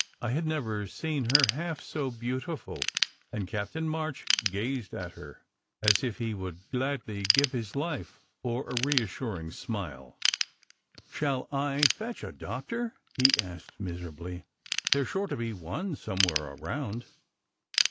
I had never seen her half so beautiful, and Captain March gazed at her as if he Would gladly give his life for a reassuring smile. " Shall I fetch a doctor? " he asked miserably. " There s sure to be one, somewhere around."